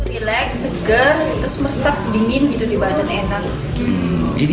rileks seger terus meresap dingin gitu di badan enak